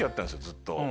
ずっと。